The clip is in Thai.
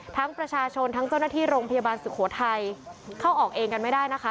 ประชาชนทั้งเจ้าหน้าที่โรงพยาบาลสุโขทัยเข้าออกเองกันไม่ได้นะคะ